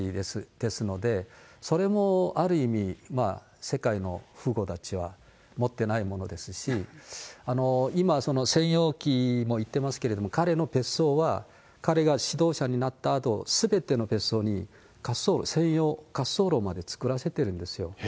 ですので、それもある意味、まあ世界の富豪たちは持ってないものですし、今、専用機もいってますけれども、彼の別荘は、彼が指導者になったあと、すべての別荘に滑走路、専用滑走路まで造らせてるんですよ。